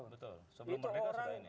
betul sebelum merdeka sudah ini